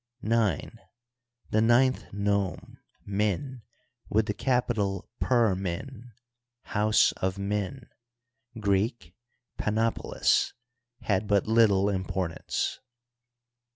IX. The nin3i nome, Min, with the capital Per Min (House of Min), Greek Panofiolis, had but little importance.